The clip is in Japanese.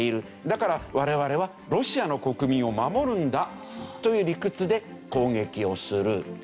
だから我々はロシアの国民を守るんだという理屈で攻撃をする。